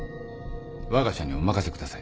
わが社にお任せください。